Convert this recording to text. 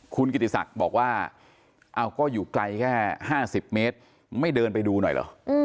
คุณกิติศักดิ์บอกว่าก็อยู่ไกลแค่๕๐เมตรไม่เดินไปดูหน่อยเหรอ